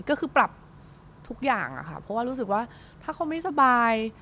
ก็คือปรับทุกอย่างค่ะเพราะว่ารู้สึกว่าถ้าเขาไม่สบาย